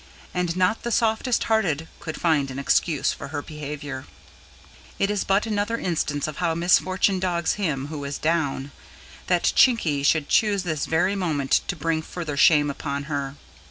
And not the softest hearted could find an excuse for her behaviour. It was but another instance of how misfortune dogs him who is down, that Chinky should choose this very moment to bring further shame upon her.